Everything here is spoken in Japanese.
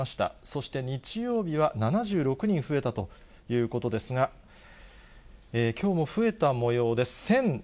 そして日曜日は７６人増えたということですが、きょうも増えたもようです。